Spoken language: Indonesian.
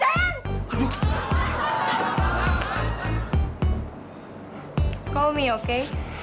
hai kau me oke